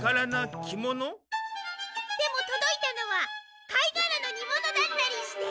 でもとどいたのは貝がらのにものだったりして。